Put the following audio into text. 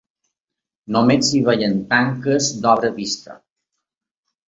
Només s'hi veien tanques d'obra vista.